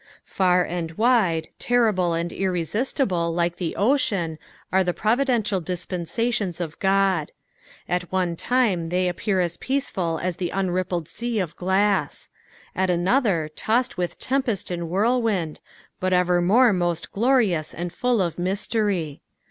Far and wide, terrible and irresistible like the ocean are the providential diapensations of Ood : at one time they appear aa peaceful as the uniippled sea of gloss ; at another tossed with tempest and whirlwind, but evermore most glorious and full of mystery.